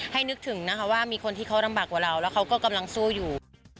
นึกถึงนะคะว่ามีคนที่เขาลำบากกว่าเราแล้วเขาก็กำลังสู้อยู่